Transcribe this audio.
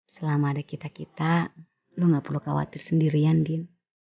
selama ada kita kita lu gak perlu khawatir sendirian din